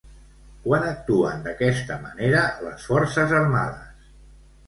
Quan actuen d'aquesta manera les forces armades?